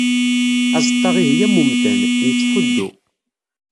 Aẓeṭṭa ihi am umdan, yettḥuddu.